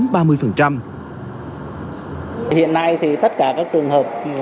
hiện nay thì tất cả các trường hợp